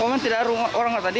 kok kan tidak ada orang lah tadi